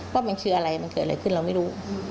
ว่ามันคืออะไรมันเกิดอะไรขึ้นเราไม่รู้